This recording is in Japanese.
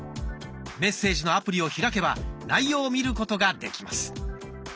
メッセージのアプリを開けば内容を見ることができます。